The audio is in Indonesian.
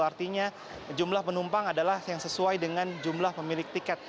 artinya jumlah penumpang adalah yang sesuai dengan jumlah pemilik tiket